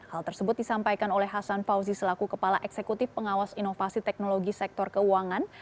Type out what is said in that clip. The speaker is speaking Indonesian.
hal tersebut disampaikan oleh hasan fauzi selaku kepala eksekutif pengawas inovasi teknologi sektor keuangan